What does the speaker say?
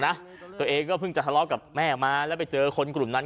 นะตัวเองก็เพิ่งจะทะเลาะกับแม่มาแล้วไปเจอคนกลุ่มนั้น